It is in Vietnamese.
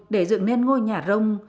để dựng nên ngôi nhà rông